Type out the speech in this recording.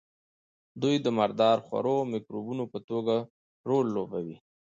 دوی د مردار خورو مکروبونو په توګه رول لوبوي.